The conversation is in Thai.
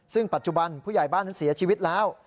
ซึ่งปัจจุบันผู้ใหญ่บ้านนั้นเสียชีวิตแล้ว